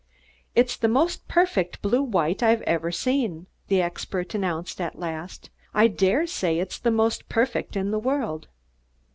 "It's the most perfect blue white I've ever seen," the expert announced at last. "I dare say it's the most perfect in the world."